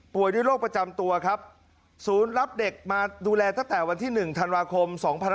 ด้วยโรคประจำตัวครับศูนย์รับเด็กมาดูแลตั้งแต่วันที่๑ธันวาคม๒๕๖๒